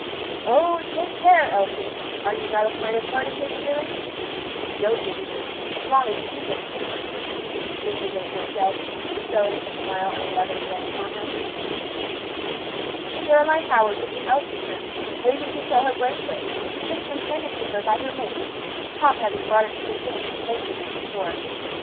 "Oh! take care, Elsie; are you not afraid of hurting his feelings?" "No danger, as long as she puts me first," Mr. Dinsmore said, bestowing a smile and loving glance on her. Caroline Howard was in Elsie's room, waiting to show her bracelet, which had just been handed to her by her maid; Pomp having brought it from the city late the night before.